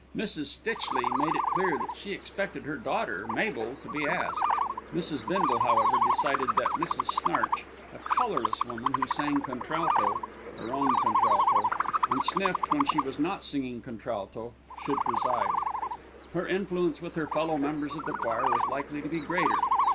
Mrs. Stitchley made it clear that she expected her daughter, Mabel, to be asked. Mrs. Bindle, however, decided that Mrs. Snarch, a colourless woman who sang contralto (her own contralto) and sniffed when she was not singing contralto, should preside; her influence with her fellow members of the choir was likely to be greater.